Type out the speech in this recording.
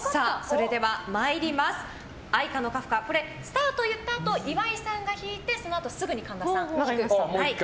愛花のカフカスタート言ったあと岩井さんが弾いてそのあとすぐに神田さんが。